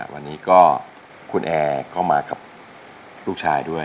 วันนี้ก็คุณแอร์เข้ามากับลูกชายด้วย